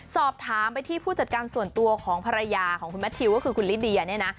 สอบถามไปที่ผู้จัดการส่วนตัวของภรรยาของคุณแมททิวก็คือคุณลิเดียเนี่ยนะ